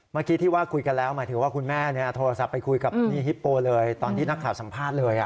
เมื่อกี้ที่ว่าคุยกันแล้วหมายถึงว่าคุณแม่โทรศัพท์ไปคุยกับนี่ฮิปโปเลยตอนที่นักข่าวสัมภาษณ์เลย